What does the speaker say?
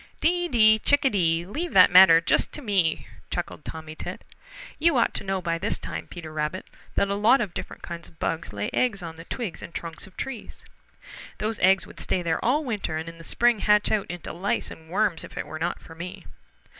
"Dee, Dee, Chickadee! Leave that matter just to me," Chuckled Tommy Tit. "You ought to know by this time Peter Rabbit, that a lot of different kinds of bugs lay eggs on the twigs and trunks of trees. Those eggs would stay there all winter and in the spring hatch out into lice and worms if it were not for me.